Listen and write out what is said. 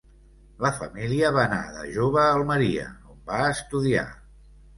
La família va anar de jove a Almeria, on va estudiar.